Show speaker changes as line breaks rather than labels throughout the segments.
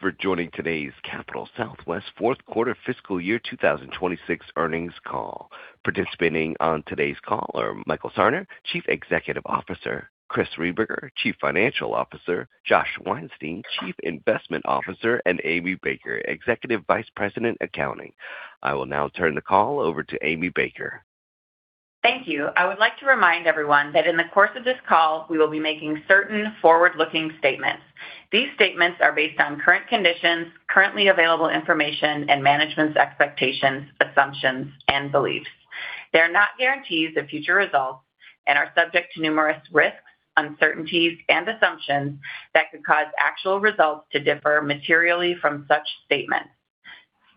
Thank you for joining today's Capital Southwest fourth quarter fiscal year 2026 earnings call. Participating on today's call are Michael Sarner, Chief Executive Officer, Chris Rehberger, Chief Financial Officer, Josh Weinstein, Chief Investment Officer, and Amy Baker, Executive Vice President, Accounting. I will now turn the call over to Amy Baker.
Thank you. I would like to remind everyone that in the course of this call, we will be making certain forward-looking statements. These statements are based on current conditions, currently available information, and management's expectations, assumptions, and beliefs. They are not guarantees of future results and are subject to numerous risks, uncertainties, and assumptions that could cause actual results to differ materially from such statements.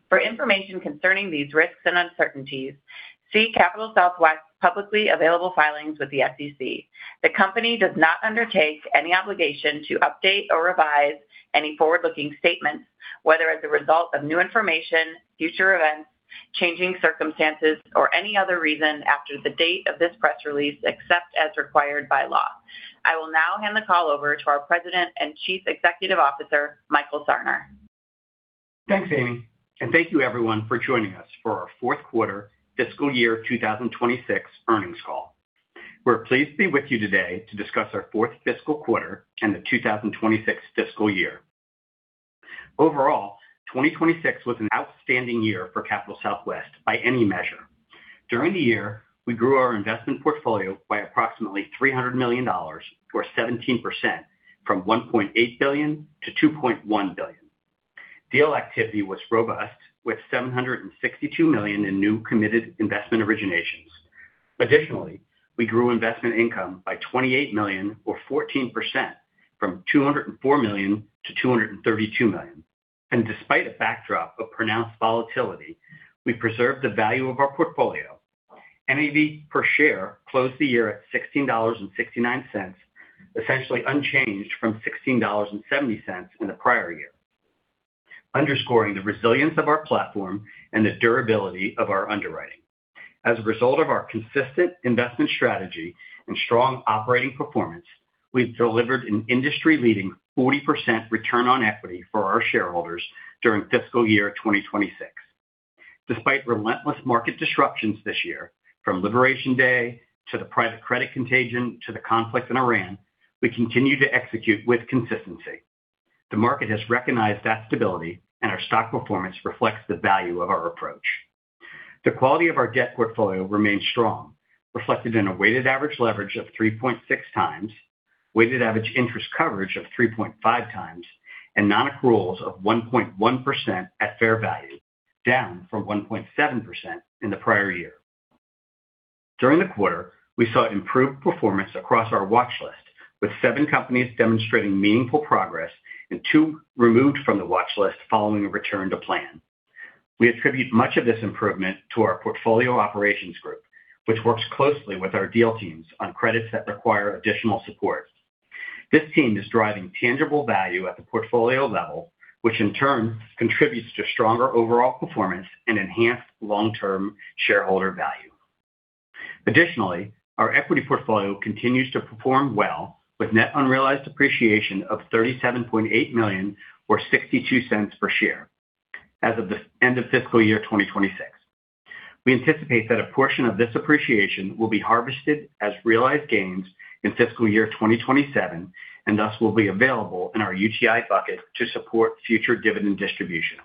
For information concerning these risks and uncertainties, see Capital Southwest's publicly available filings with the SEC. The company does not undertake any obligation to update or revise any forward-looking statements, whether as a result of new information, future events, changing circumstances, or any other reason after the date of this press release, except as required by law. I will now hand the call over to our President and Chief Executive Officer, Michael Sarner.
Thanks, Amy, and thank you everyone for joining us for our fourth quarter fiscal year 2026 earnings call. We're pleased to be with you today to discuss our fourth fiscal quarter and the 2026 fiscal year. Overall, 2026 was an outstanding year for Capital Southwest by any measure. During the year, we grew our investment portfolio by approximately $300 million or 17% from $1.8 billion to $2.1 billion. Deal activity was robust with $762 million in new committed investment originations. Additionally, we grew investment income by $28 million or 14% from $204 million to $232 million. Despite a backdrop of pronounced volatility, we preserved the value of our portfolio. NAV per share closed the year at $16.69, essentially unchanged from $16.70 in the prior year, underscoring the resilience of our platform and the durability of our underwriting. As a result of our consistent investment strategy and strong operating performance, we've delivered an industry-leading 40% return on equity for our shareholders during fiscal year 2026. Despite relentless market disruptions this year, from Liberation Day to the private credit contagion to the conflict in Iran, we continue to execute with consistency. The market has recognized that stability, and our stock performance reflects the value of our approach. The quality of our debt portfolio remains strong, reflected in a weighted average leverage of 3.6x, weighted average interest coverage of 3.5x, and non-accruals of 1.1% at fair value, down from 1.7% in the prior year. During the quarter, we saw improved performance across our watch list, with seven companies demonstrating meaningful progress and two removed from the watch list following a return to plan. We attribute much of this improvement to our portfolio operations group, which works closely with our deal teams on credits that require additional support. This team is driving tangible value at the portfolio level, which in turn contributes to stronger overall performance and enhanced long-term shareholder value. Additionally, our equity portfolio continues to perform well with net unrealized appreciation of $37.8 million or $0.62 per share as of the end of fiscal year 2026. We anticipate that a portion of this appreciation will be harvested as realized gains in fiscal year 2027 and thus will be available in our UTI bucket to support future dividend distributions.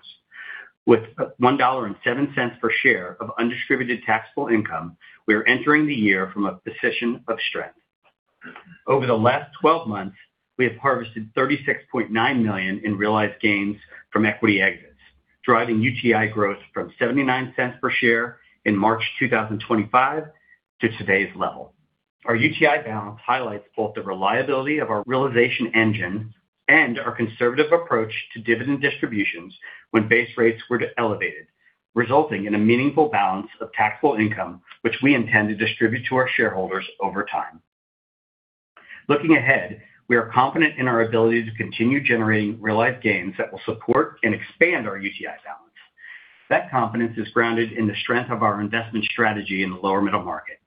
With $1.07 per share of undistributed taxable income, we are entering the year from a position of strength. Over the last 12 months, we have harvested $36.9 million in realized gains from equity exits, driving UTI growth from $0.79 per share in March 2025 to today's level. Our UTI balance highlights both the reliability of our realization engine and our conservative approach to dividend distributions when base rates were elevated, resulting in a meaningful balance of taxable income, which we intend to distribute to our shareholders over time. Looking ahead, we are confident in our ability to continue generating realized gains that will support and expand our UTI balance. That confidence is grounded in the strength of our investment strategy in the lower middle market.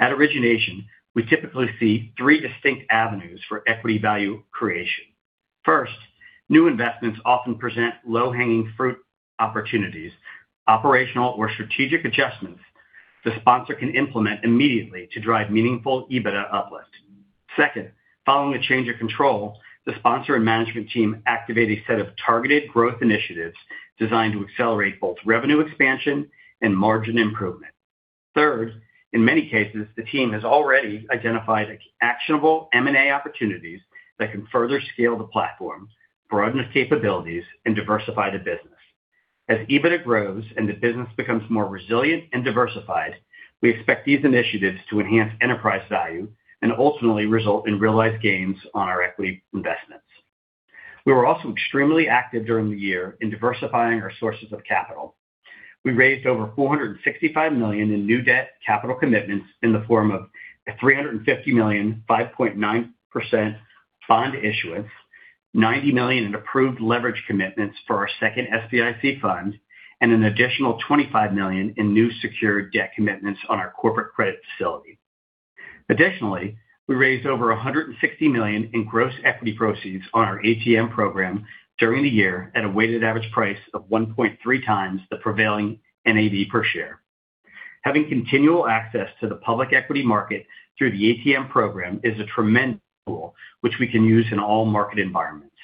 At origination, we typically see three distinct avenues for equity value creation. First, new investments often present low-hanging fruit opportunities, operational or strategic adjustments the sponsor can implement immediately to drive meaningful EBITDA uplift. Second, following a change of control, the sponsor and management team activate a set of targeted growth initiatives designed to accelerate both revenue expansion and margin improvement. In many cases, the team has already identified actionable M&A opportunities that can further scale the platform, broaden its capabilities, and diversify the business. As EBITDA grows and the business becomes more resilient and diversified, we expect these initiatives to enhance enterprise value and ultimately result in realized gains on our equity investments. We were also extremely active during the year in diversifying our sources of capital. We raised over $465 million in new debt capital commitments in the form of $350 million, 5.9% bond issuance, $90 million in approved leverage commitments for our second SBIC fund, and an additional $25 million in new secured debt commitments on our corporate credit facility. Additionally, we raised over $160 million in gross equity proceeds on our ATM program during the year at a weighted average price of 1.3x the prevailing NAV per share. Having continual access to the public equity market through the ATM program is a tremendous tool which we can use in all market environments.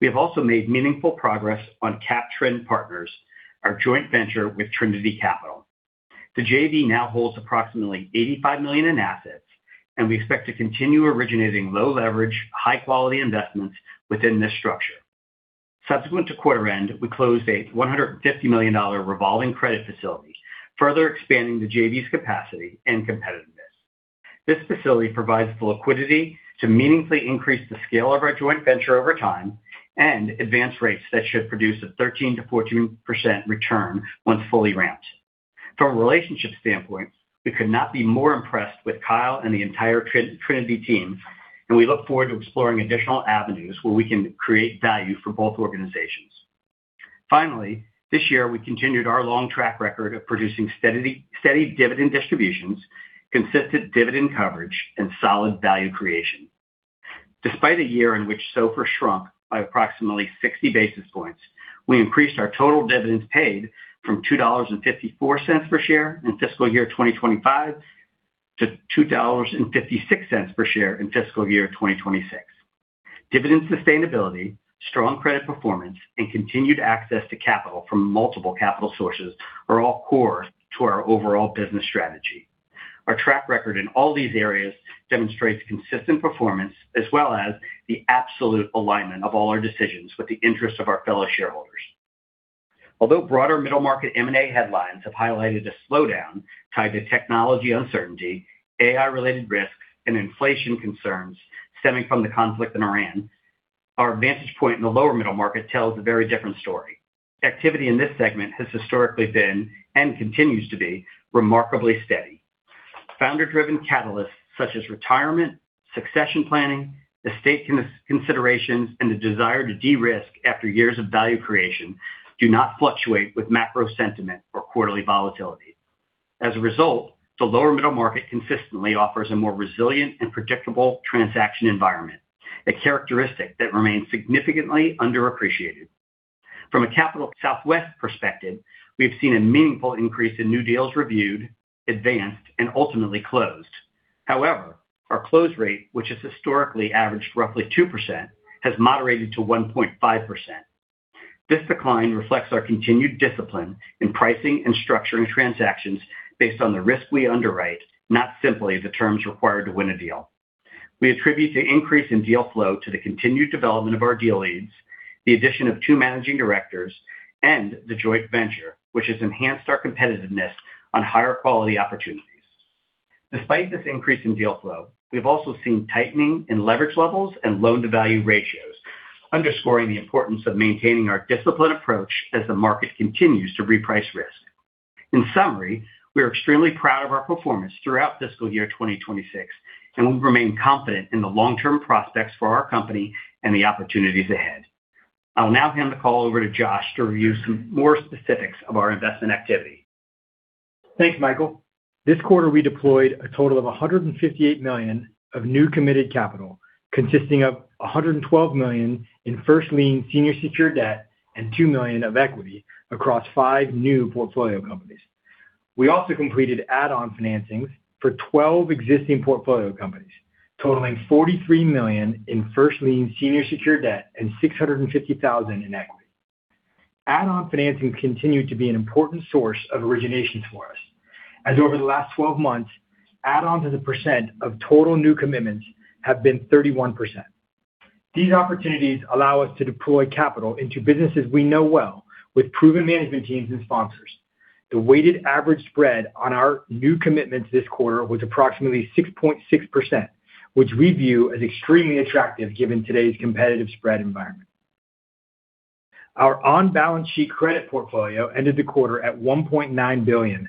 We have also made meaningful progress on CapTrin Partners, our joint venture with Trinity Capital. The JV now holds approximately $85 million in assets, and we expect to continue originating low leverage, high quality investments within this structure. Subsequent to quarter end, we closed a $150 million revolving credit facility, further expanding the JV's capacity and competitiveness. This facility provides the liquidity to meaningfully increase the scale of our joint venture over time and advance rates that should produce a 13%-14% return once fully ramped. From a relationship standpoint, we could not be more impressed with Kyle and the entire Trinity team, and we look forward to exploring additional avenues where we can create value for both organizations. Finally, this year we continued our long track record of producing steady dividend distributions, consistent dividend coverage, and solid value creation. Despite a year in which SOFR shrunk by approximately 60 basis points, we increased our total dividends paid from $2.54 per share in fiscal year 2025 to $2.56 per share in fiscal year 2026. Dividend sustainability, strong credit performance, and continued access to capital from multiple capital sources are all core to our overall business strategy. Our track record in all these areas demonstrates consistent performance as well as the absolute alignment of all our decisions with the interests of our fellow shareholders. Broader middle market M&A headlines have highlighted a slowdown tied to technology uncertainty, AI-related risks, and inflation concerns stemming from the conflict in Iran, our vantage point in the lower middle market tells a very different story. Activity in this segment has historically been, and continues to be, remarkably steady. Founder-driven catalysts such as retirement, succession planning, estate considerations, and the desire to de-risk after years of value creation do not fluctuate with macro sentiment or quarterly volatility. As a result, the lower middle market consistently offers a more resilient and predictable transaction environment, a characteristic that remains significantly underappreciated. From a Capital Southwest perspective, we have seen a meaningful increase in new deals reviewed, advanced, and ultimately closed. However, our close rate, which has historically averaged roughly 2%, has moderated to 1.5%. This decline reflects our continued discipline in pricing and structuring transactions based on the risk we underwrite, not simply the terms required to win a deal. We attribute the increase in deal flow to the continued development of our deal leads, the addition of two Managing Directors, and the joint venture, which has enhanced our competitiveness on higher quality opportunities. Despite this increase in deal flow, we've also seen tightening in leverage levels and loan-to-value ratios, underscoring the importance of maintaining our disciplined approach as the market continues to reprice risk. In summary, we are extremely proud of our performance throughout fiscal year 2026, and we remain confident in the long-term prospects for our company and the opportunities ahead. I'll now hand the call over to Josh to review some more specifics of our investment activity.
Thanks, Michael. This quarter, we deployed a total of $158 million of new committed capital, consisting of $112 million in first-lien senior secured debt and $2 million of equity across five new portfolio companies. We also completed add-on financings for 12 existing portfolio companies, totaling $43 million in first-lien senior secured debt and $650,000 in equity. Add-on financings continue to be an important source of originations for us, as over the last 12 months, add-ons as a percent of total new commitments have been 31%. These opportunities allow us to deploy capital into businesses we know well with proven management teams and sponsors. The weighted average spread on our new commitments this quarter was approximately 6.6%, which we view as extremely attractive given today's competitive spread environment. Our on-balance sheet credit portfolio ended the quarter at $1.9 billion,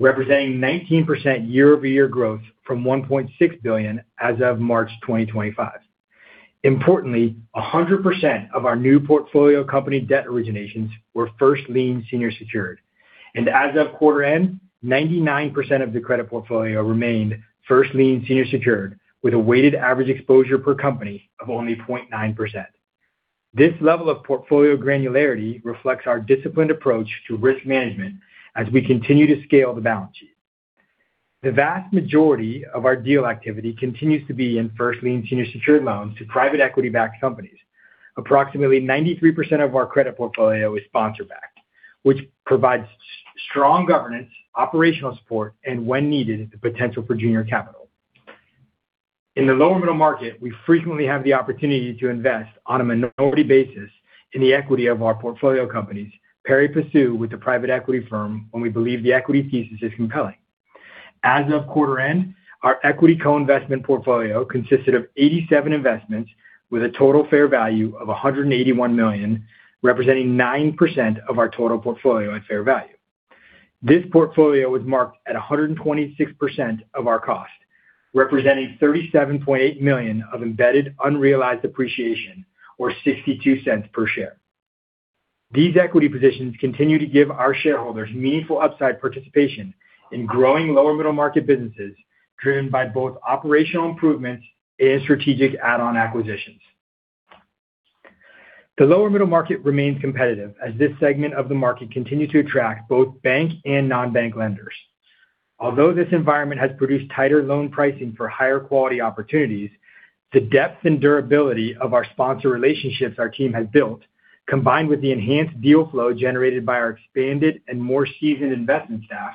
representing 19% year-over-year growth from $1.6 billion as of March 2025. Importantly, 100% of our new portfolio company debt originations were first-lien senior secured. As of quarter end, 99% of the credit portfolio remained first-lien senior secured with a weighted average exposure per company of only 0.9%. This level of portfolio granularity reflects our disciplined approach to risk management as we continue to scale the balance sheet. The vast majority of our deal activity continues to be in first-lien senior secured loans to private equity-backed companies. Approximately 93% of our credit portfolio is sponsor-backed, which provides strong governance, operational support, and when needed, the potential for junior capital. In the lower middle market, we frequently have the opportunity to invest on a minority basis in the equity of our portfolio companies, pari passu with the private equity firm when we believe the equity thesis is compelling. As of quarter end, our equity co-investment portfolio consisted of 87 investments with a total fair value of $181 million, representing 9% of our total portfolio at fair value. This portfolio was marked at 126% of our cost, representing $37.8 million of embedded unrealized appreciation or $0.62 per share. These equity positions continue to give our shareholders meaningful upside participation in growing lower middle market businesses driven by both operational improvements and strategic add-on acquisitions. The lower middle market remains competitive as this segment of the market continue to attract both bank and non-bank lenders. Although this environment has produced tighter loan pricing for higher quality opportunities, the depth and durability of our sponsor relationships our team has built, combined with the enhanced deal flow generated by our expanded and more seasoned investment staff,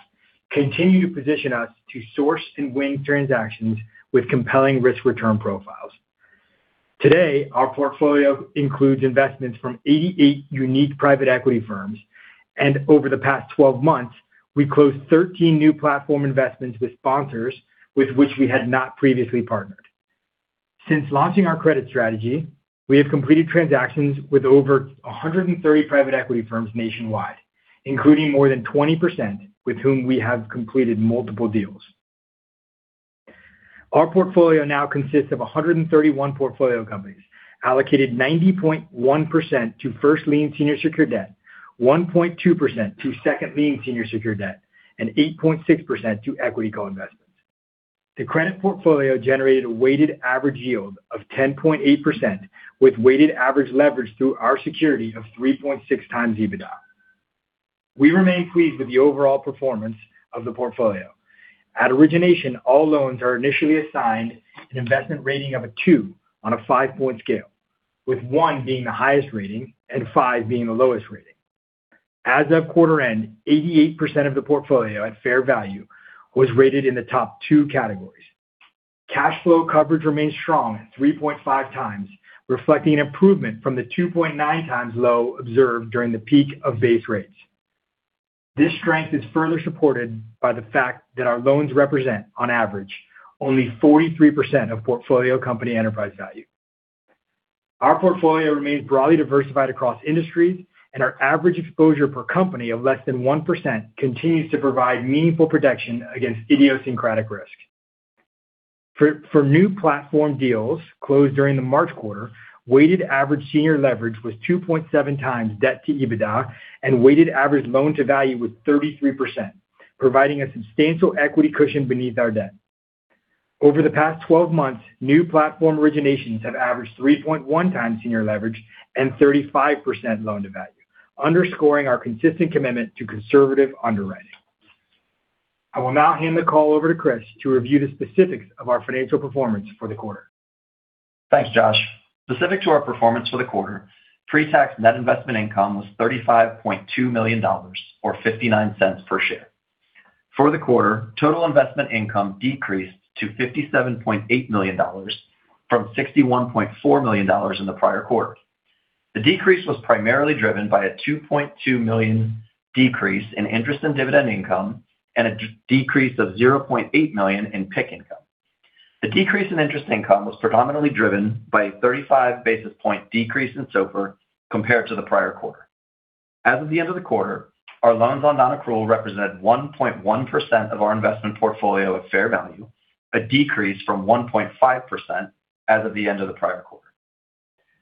continue to position us to source and win transactions with compelling risk-return profiles. Today, our portfolio includes investments from 88 unique private equity firms. Over the past 12 months, we closed 13 new platform investments with sponsors with which we had not previously partnered. Since launching our credit strategy, we have completed transactions with over 130 private equity firms nationwide, including more than 20% with whom we have completed multiple deals. Our portfolio now consists of 131 portfolio companies allocated 90.1% to first-lien senior secured debt, 1.2% to second-lien senior secured debt, and 8.6% to equity co-investments. The credit portfolio generated a weighted average yield of 10.8% with weighted average leverage through our security of 3.6x EBITDA. We remain pleased with the overall performance of the portfolio. At origination, all loans are initially assigned an investment rating of a two on a five-point scale, with one being the highest rating and five being the lowest rating. As of quarter end, 88% of the portfolio at fair value was rated in the top two categories. Cash flow coverage remains strong at 3.5x, reflecting an improvement from the 2.9x low observed during the peak of base rates. This strength is further supported by the fact that our loans represent, on average, only 43% of portfolio company enterprise value. Our portfolio remains broadly diversified across industries, and our average exposure per company of less than 1% continues to provide meaningful protection against idiosyncratic risk. For new platform deals closed during the March quarter, weighted average senior leverage was 2.7x debt to EBITDA and weighted average loan-to-value was 33%, providing a substantial equity cushion beneath our debt. Over the past 12 months, new platform originations have averaged 3.1x senior leverage and 35% loan-to-value, underscoring our consistent commitment to conservative underwriting. I will now hand the call over to Chris to review the specifics of our financial performance for the quarter.
Thanks, Josh. Specific to our performance for the quarter, pre-tax net investment income was $35.2 million or $0.59 per share. For the quarter, total investment income decreased to $57.8 million from $61.4 million in the prior quarter. The decrease was primarily driven by a $2.2 million decrease in interest and dividend income and a decrease of $0.8 million in PIK income. The decrease in interest income was predominantly driven by a 35 basis point decrease in SOFR compared to the prior quarter. As of the end of the quarter, our loans on non-accrual represented 1.1% of our investment portfolio at fair value, a decrease from 1.5% as of the end of the prior quarter.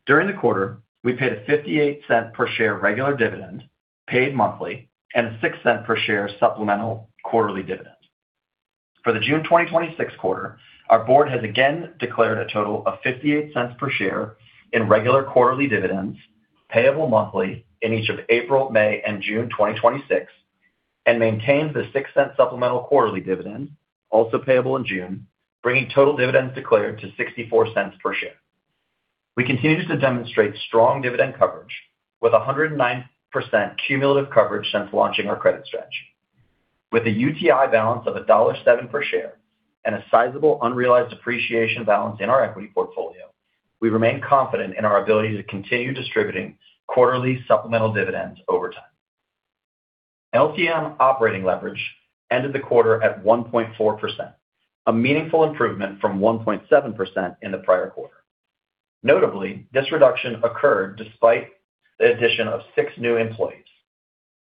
During the quarter, we paid a $0.58 per share regular dividend paid monthly and a $0.06 per share supplemental quarterly dividend. For the June 2026 quarter, our board has again declared a total of $0.58 per share in regular quarterly dividends payable monthly in each of April, May, and June 2026, and maintains the $0.06 supplemental quarterly dividend also payable in June, bringing total dividends declared to $0.64 per share. We continue to demonstrate strong dividend coverage with 109% cumulative coverage since launching our credit strategy. With a UTI balance of $1.07 per share and a sizable unrealized appreciation balance in our equity portfolio, we remain confident in our ability to continue distributing quarterly supplemental dividends over time. LTM operating leverage ended the quarter at 1.4%, a meaningful improvement from 1.7% in the prior quarter. Notably, this reduction occurred despite the addition of six new employees.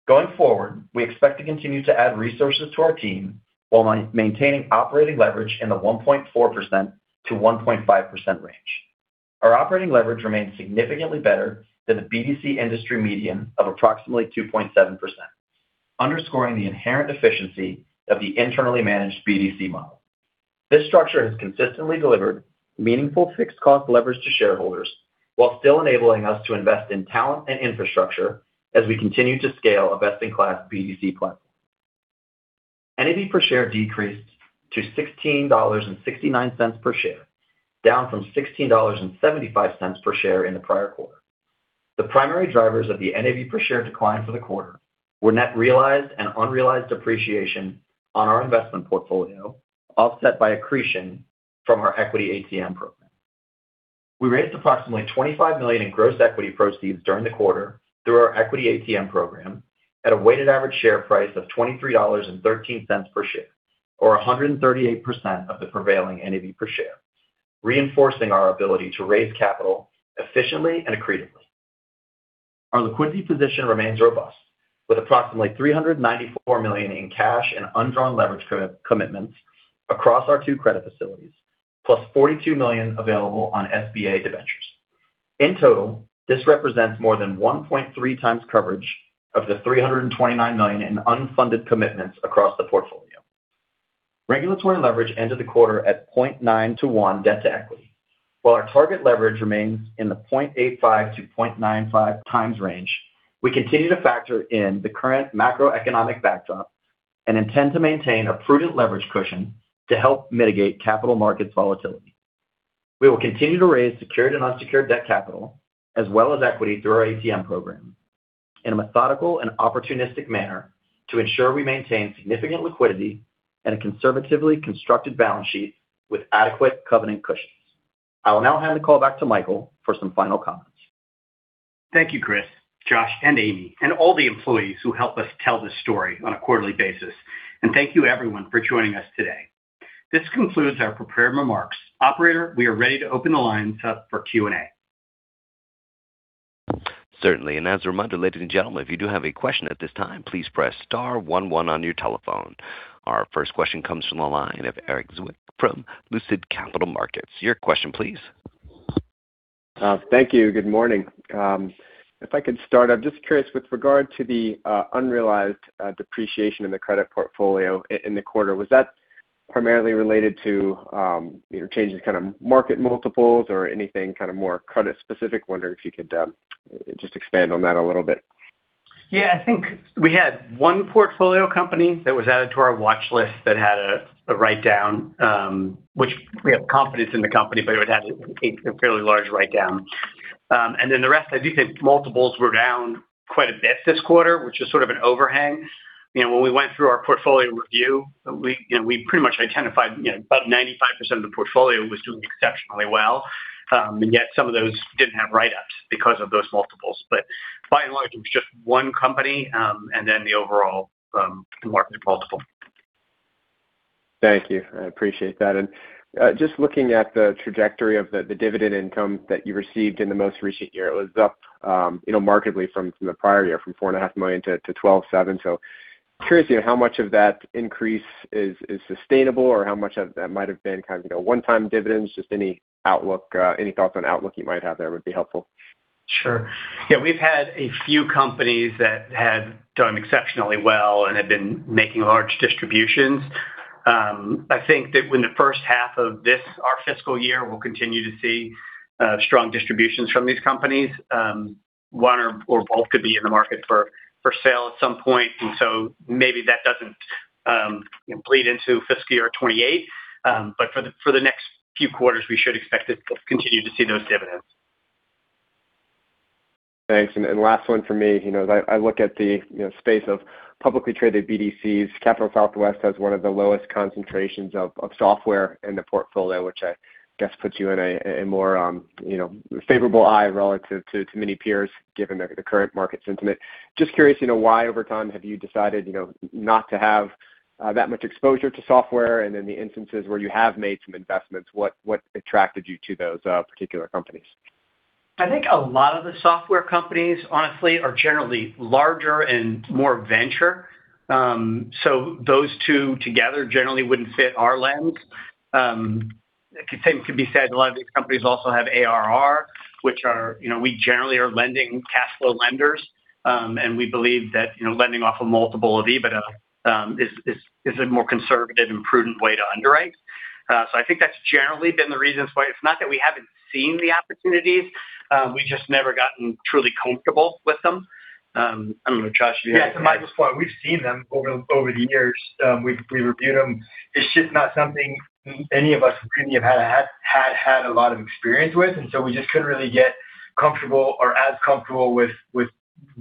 Going forward, we expect to continue to add resources to our team while maintaining operating leverage in the 1.4%-1.5% range. Our operating leverage remains significantly better than the BDC industry median of approximately 2.7%, underscoring the inherent efficiency of the internally managed BDC model. This structure has consistently delivered meaningful fixed cost leverage to shareholders while still enabling us to invest in talent and infrastructure as we continue to scale a best-in-class BDC plan. NAV per share decreased to $16.69 per share, down from $16.75 per share in the prior quarter. The primary drivers of the NAV per share decline for the quarter were net realized and unrealized appreciation on our investment portfolio, offset by accretion from our equity ATM program. We raised approximately $25 million in gross equity proceeds during the quarter through our equity ATM program at a weighted average share price of $23.13 per share or 138% of the prevailing NAV per share, reinforcing our ability to raise capital efficiently and accretively. Our liquidity position remains robust. With approximately $394 million in cash and undrawn leverage commitments across our two credit facilities, +$42 million available on SBA debentures. In total, this represents more than 1.3x coverage of the $329 million in unfunded commitments across the portfolio. Regulatory leverage ended the quarter at 0.9 to one debt to equity. While our target leverage remains in the 0.85x to 0.95x range, we continue to factor in the current macroeconomic backdrop and intend to maintain a prudent leverage cushion to help mitigate capital markets volatility. We will continue to raise secured and unsecured debt capital as well as equity through our ATM program in a methodical and opportunistic manner to ensure we maintain significant liquidity and a conservatively constructed balance sheet with adequate covenant cushions. I will now hand the call back to Michael for some final comments.
Thank you, Chris, Josh, and Amy, and all the employees who help us tell this story on a quarterly basis. Thank you everyone for joining us today. This concludes our prepared remarks. Operator, we are ready to open the lines up for Q&A.
Certainly. As a reminder, ladies and gentlemen, if you do have a question at this time, please press star one one on your telephone. Our first question comes from the line of Erik Zwick from Lucid Capital Markets. Your question please.
Thank you. Good morning. If I could start, I'm just curious with regard to the unrealized depreciation in the credit portfolio in the quarter, was that primarily related to, you know, changes kind of market multiples or anything kind of more credit specific? Wondering if you could just expand on that a little bit?
Yeah, I think we had one portfolio company that was added to our watch list that had a write-down, which we have confidence in the company, but it would have a fairly large write-down. The rest, as you said, multiples were down quite a bit this quarter, which is sort of an overhang. You know, when we went through our portfolio review, we pretty much identified, you know, about 95% of the portfolio was doing exceptionally well. Some of those didn't have write-ups because of those multiples. By and large, it was just one company, and then the overall market multiple.
Thank you. I appreciate that. Just looking at the trajectory of the dividend income that you received in the most recent year, it was up, you know, markedly from the prior year, from four and a half million to $12.7 million. Curious, you know, how much of that increase is sustainable or how much of that might have been kind of, you know, one-time dividends, just any outlook, any thoughts on outlook you might have there would be helpful.
Sure. Yeah, we've had a few companies that have done exceptionally well and have been making large distributions. I think that when the first half of this, our fiscal year will continue to see strong distributions from these companies, one or both could be in the market for sale at some point. Maybe that doesn't bleed into fiscal year 2028. For the next few quarters, we should expect to continue to see those dividends.
Thanks. Last one for me. You know, I look at the, you know, space of publicly traded BDCs. Capital Southwest has one of the lowest concentrations of software in the portfolio, which I guess puts you in a more, you know, favorable eye relative to many peers given the current market sentiment. Just curious, you know, why over time have you decided, you know, not to have that much exposure to software? Then the instances where you have made some investments, what attracted you to those particular companies?
I think a lot of the software companies honestly are generally larger and more venture. Those two together generally wouldn't fit our lens. The same could be said, a lot of these companies also have ARR, which are, you know, we generally are lending cash flow lenders. And we believe that, you know, lending off a multiple of EBITDA is a more conservative and prudent way to underwrite. I think that's generally been the reasons why. It's not that we haven't seen the opportunities, we just never gotten truly comfortable with them. I don't know, Josh.
Yeah. To Michael's point, we've seen them over the years. We reviewed them. It's just not something any of us previously have had a lot of experience with, and so we just couldn't really get comfortable or as comfortable with,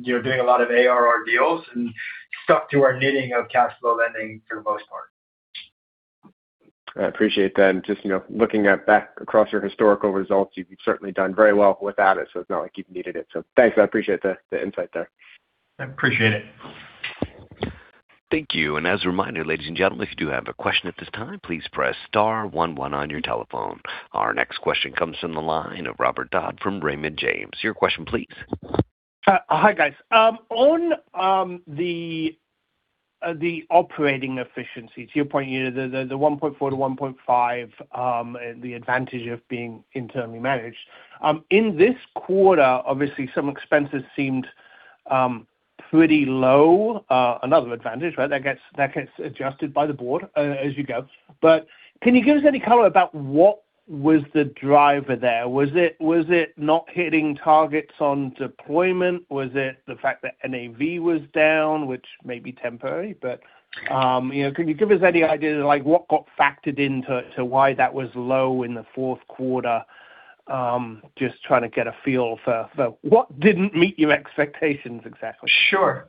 you know, doing a lot of ARR deals and stuck to our knitting of cash flow lending for the most part.
I appreciate that. Just, you know, looking at back across your historical results, you've certainly done very well without it, so it's not like you've needed it. Thanks. I appreciate the insight there.
I appreciate it.
Thank you. As a reminder, ladies and gentlemen, if you do have a question at this time, please press star one one on your telephone. Our next question comes from the line of Robert Dodd from Raymond James. Your question please.
Hi guys. On the operating efficiency, to your point, you know, the 1.4-1.5, the advantage of being internally managed. In this quarter, obviously some expenses seemed pretty low. Another advantage, right? That gets adjusted by the board as you go. Can you give us any color about what was the driver there? Was it not hitting targets on deployment? Was it the fact that NAV was down, which may be temporary, but, you know, can you give us any idea like what got factored into why that was low in the fourth quarter? Just trying to get a feel for what didn't meet your expectations exactly.
Sure.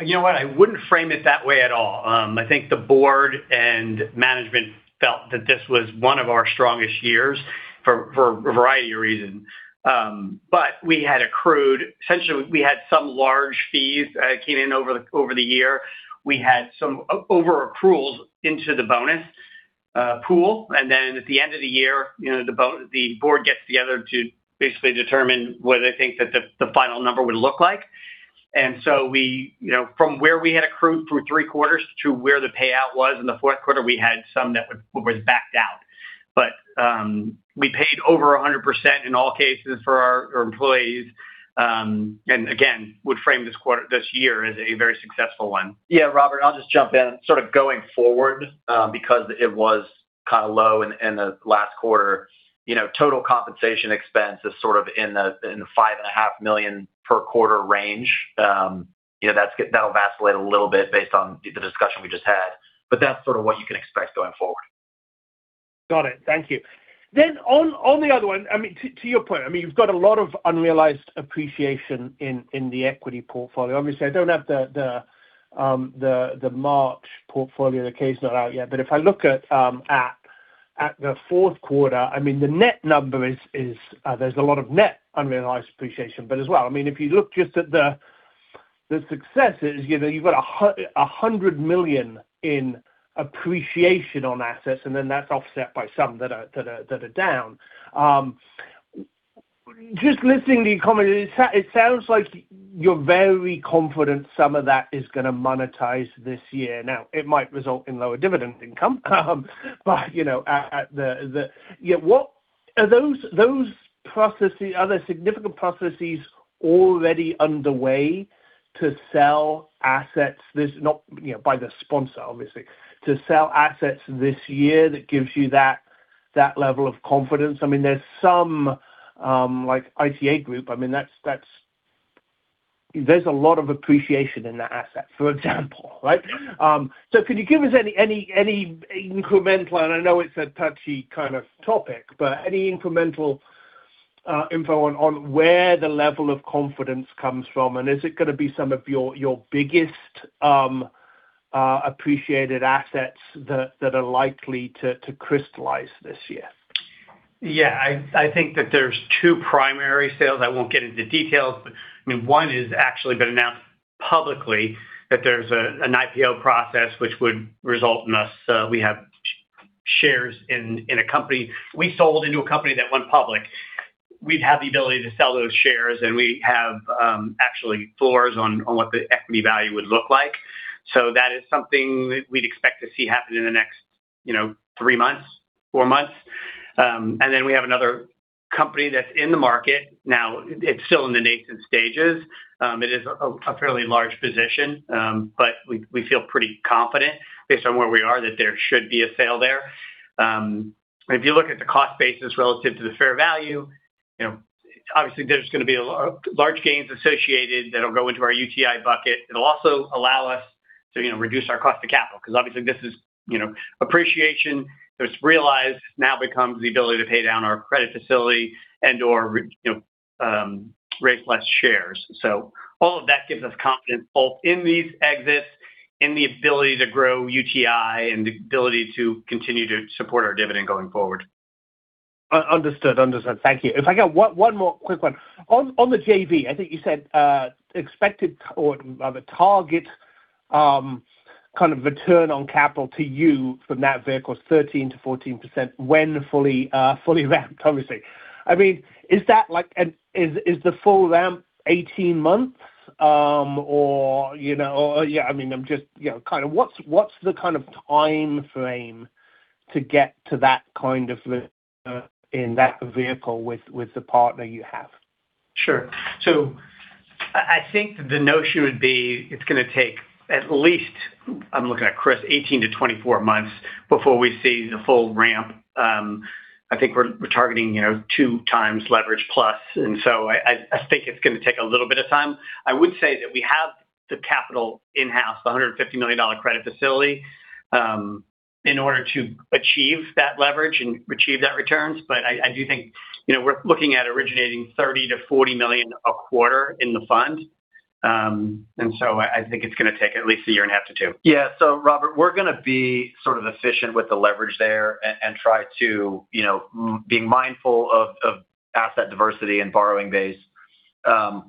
You know what, I wouldn't frame it that way at all. I think the board and management felt that this was one of our strongest years for a variety of reasons. Essentially, we had some large fees came in over the year. We had some over accruals into the bonus pool, at the end of the year, you know, the board gets together to basically determine what they think that the final number would look like. We, you know, from where we had accrued through three quarters to where the payout was in the fourth quarter, we had some that was backed out. We paid over 100% in all cases for our employees. Again, would frame this year as a very successful one.
Yeah, Robert, I'll just jump in. Sort of going forward, because it was kind of low in the last quarter. You know, total compensation expense is sort of in the, in the five and a half million per quarter range. You know, That'll vacillate a little bit based on the discussion we just had, but that's sort of what you can expect going forward.
Got it. Thank you. On the other one, to your point, you've got a lot of unrealized appreciation in the equity portfolio. Obviously, I don't have the March portfolio. The K is not out yet. If I look at the fourth quarter, the net number, there's a lot of net unrealized appreciation. As well, if you look just at the successes, you know, you've got $100 million in appreciation on assets, and then that's offset by some that are down. Just listening to your comment, it sounds like you're very confident some of that is gonna monetize this year. It might result in lower dividend income. You know, Yeah, what are those processes? Are there significant processes already underway to sell assets this, not, you know, by the sponsor, obviously, to sell assets this year that gives you that level of confidence? I mean, there's some, like ITA Group. I mean, that's There's a lot of appreciation in that asset, for example, right? Could you give us any incremental, and I know it's a touchy kind of topic, but any incremental info on where the level of confidence comes from? Is it gonna be some of your biggest appreciated assets that are likely to crystallize this year?
Yeah. I think that there's two primary sales. I won't get into details, but I mean, one is actually been announced publicly that there's an IPO process which would result in us. We have shares in a company. We sold into a company that went public. We'd have the ability to sell those shares, and we have actually floors on what the equity value would look like. That is something that we'd expect to see happen in the next, you know, three months, four months. We have another company that's in the market. Now, it's still in the nascent stages. It is a fairly large position. We feel pretty confident based on where we are that there should be a sale there. If you look at the cost basis relative to the fair value, you know, obviously there's gonna be a large gains associated that'll go into our UTI bucket. It'll also allow us to, you know, reduce our cost of capital because obviously this is, you know, appreciation that's realized now becomes the ability to pay down our credit facility and/or re- you know, raise less shares. All of that gives us confidence both in these exits, in the ability to grow UTI, and the ability to continue to support our dividend going forward.
Understood. Understood. Thank you. If I get one more quick one. On the JV, I think you said expected or the target, kind of return on capital to you from that vehicle is 13%-14% when fully ramped, obviously. I mean, is that like an Is the full ramp 18 months? You know, or yeah, I mean, I'm just You know, kind of what's the kind of timeframe to get to that kind of re- in that vehicle with the partner you have?
Sure. I think the notion would be it's gonna take at least, I'm looking at Chris, 18-24 months before we see the full ramp. I think we're targeting, you know, 2x leverage plus. I, I think it's gonna take a little bit of time. I would say that we have the capital in-house, the $150 million credit facility, in order to achieve that leverage and achieve that returns. I do think, you know, we're looking at originating $30 million-$40 million a quarter in the fund. I think it's gonna take at least 1.5-2 years.
Yeah. Robert, we're gonna be sort of efficient with the leverage there and try to, you know, being mindful of asset diversity and borrowing base.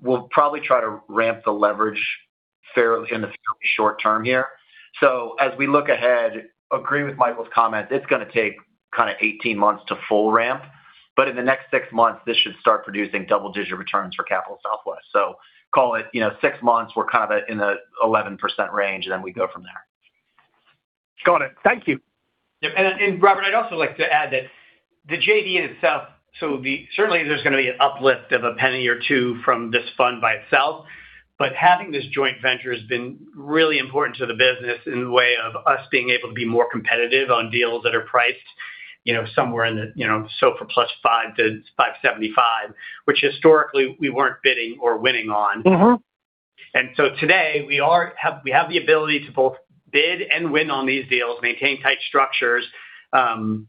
We'll probably try to ramp the leverage fairly in the fairly short term here. As we look ahead, agree with Michael's comments, it's gonna take kind of 18 months to full ramp. In the next six months, this should start producing double-digit returns for Capital Southwest. Call it, you know, six months, we're kind of at in the 11% range, we go from there.
Got it. Thank you.
Yeah. Robert, I'd also like to add that the JV in itself. Certainly, there's gonna be an uplift of $0.01 or $0.02 from this fund by itself. Having this joint venture has been really important to the business in the way of us being able to be more competitive on deals that are priced, you know, somewhere in the, you know, SOFR plus 5 to 575, which historically we weren't bidding or winning on. Today, we have the ability to both bid and win on these deals, maintain tight structures, and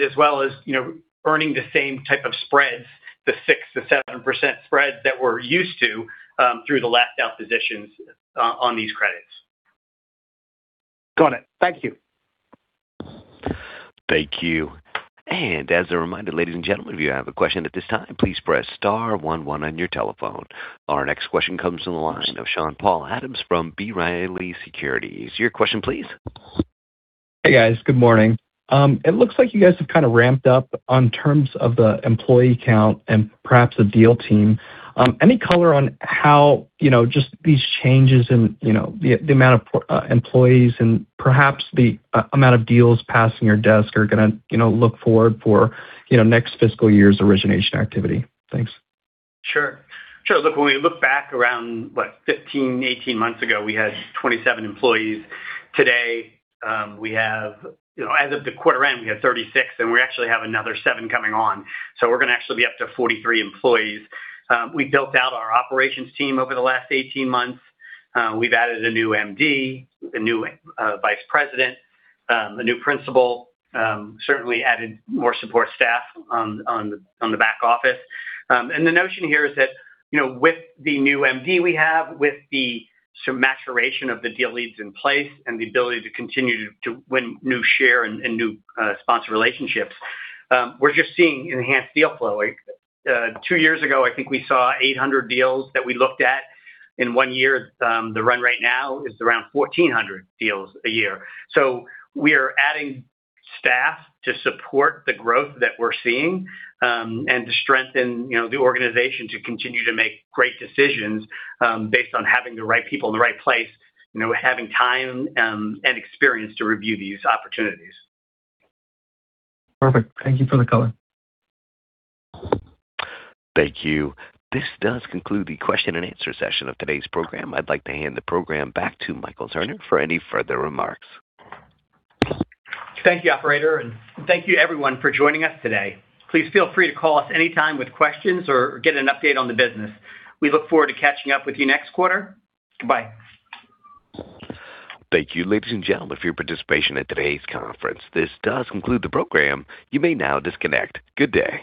as well as, you know, earning the same type of spreads, the 6%-7% spreads that we're used to, through the last out positions on these credits.
Got it. Thank you.
Thank you. As a reminder, ladies and gentlemen, if you have a question at this time, please press star one one on your telephone. Our next question comes from the line of Sean-Paul Adams from B. Riley Securities. Your question please.
Hey, guys. Good morning. It looks like you guys have kinda ramped up on terms of the employee count and perhaps the deal team. Any color on how, you know, just these changes in, you know, the amount of employees and perhaps the amount of deals passing your desk are gonna, you know, look for, you know, next fiscal year's origination activity? Thanks.
Sure. Sure. Look, when we look back around, what? 15, 18 months ago, we had 27 employees. Today, we have, you know, as of the quarter end, we had 36, and we actually have another seven coming on. We're gonna actually be up to 43 employees. We built out our operations team over the last 18 months. We've added a new MD, a new vice president, a new principal, certainly added more support staff on the back office. The notion here is that, you know, with the new MD we have, with the maturation of the deal leads in place and the ability to continue to win new share and new sponsor relationships, we're just seeing enhanced deal flow. Two years ago, I think we saw 800 deals that we looked at in one year. The run rate now is around 1,400 deals a year. We are adding staff to support the growth that we're seeing, and to strengthen, you know, the organization to continue to make great decisions, based on having the right people in the right place, you know, having time, and experience to review these opportunities.
Perfect. Thank you for the color.
Thank you. This does conclude the question and answer session of today's program. I'd like to hand the program back to Michael Sarner for any further remarks.
Thank you, operator, and thank you everyone for joining us today. Please feel free to call us any time with questions or get an update on the business. We look forward to catching up with you next quarter. Goodbye.
Thank you, ladies and gentlemen, for your participation in today's conference. This does conclude the program. You may now disconnect. Good day.